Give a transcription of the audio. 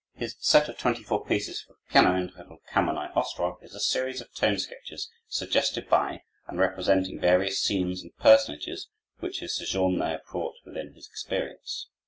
His set of twenty four pieces for the piano, entitled "Kamennoi Ostrow," is a series of tone sketches suggested by and representing various scenes and personages which his sojourn there brought within his experience.